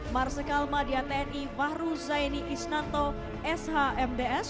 marsikal madia tni fahru zaini isnanto shmds